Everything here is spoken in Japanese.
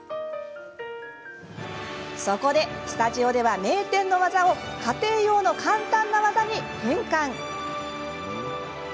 そこで、スタジオでは名店の技を家庭用の簡単な技に変換。